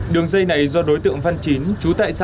đường dây này do đối tượng văn chín chú tại xã